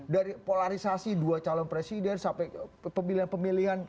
dari polarisasi dua calon presiden sampai pemilihan pemilihan